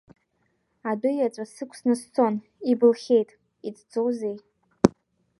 Адәы иаҵәа сықәсны сцон, ибылхьеит, иҵӡозеи.